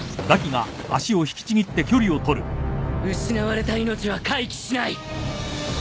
失われた命は回帰しない。